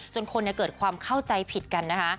จนคนเกิดความเข้าใจผิดกันนะคะ